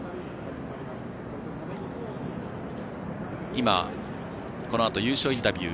今、このあと優勝インタビュー